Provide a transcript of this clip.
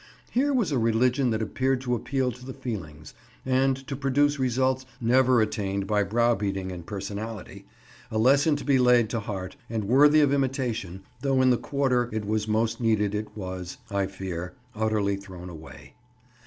Here was a religion that appeared to appeal to the feelings, and to produce results never attained by brow beating and personality—a lesson to be laid to heart, and worthy of imitation, though in the quarter it was most needed it was, I fear, utterly thrown away.